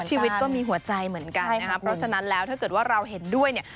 ชีวิตก็มีหัวใจเหมือนกันนะครับเพราะฉะนั้นแล้วถ้าเกิดว่าเราเห็นด้วยเนี่ย